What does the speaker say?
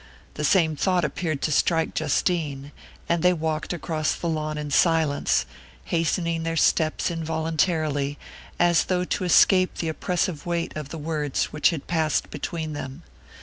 The same thought appeared to strike Justine, and they walked across the lawn in silence, hastening their steps involuntarily, as though to escape the oppressive weight of the words which had passed between them.